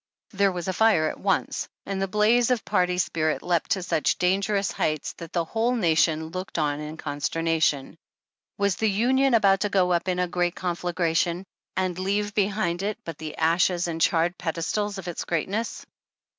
There was fire at once, and the blaze of party spirit leapt to such dangerous heights that the whole nation looked on in consternation. Was the Union about to go up in a great conflagra tion and leave behind it but the ashes and charred pedestals of its greatness